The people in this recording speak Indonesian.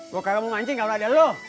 gue kagak mau mancing gak boleh ada lu